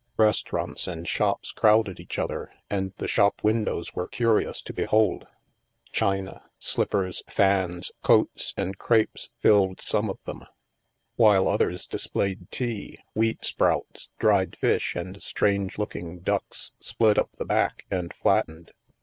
Restaurants and shops crowded each other, and the shop windows were curious to behold. China, slippers, fans, coats, and crepes filled some of them, while others displayed tea, wheat sprouts, dried fish, and strange looking ducks, split up the back and flattened.